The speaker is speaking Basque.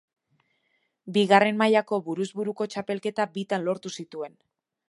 Bigarren mailako buruz buruko txapelketa bitan lortu zituen.